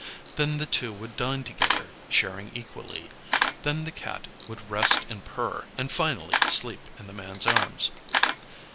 Then the two would dine together, sharing equally; then the Cat would rest and purr, and finally sleep in the man's arms.